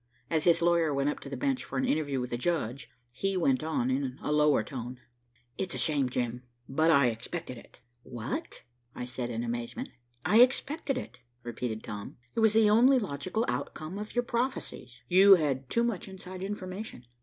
As his lawyer went up to the bench for an interview with the judge, he went on in a lower tone. "It is a shame, Jim, but I expected it." "What?" I said in amazement. "I expected it," repeated Tom. "It was the only logical outcome of your prophecies. You had too much inside information.